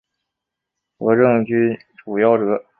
和政郡主夭折。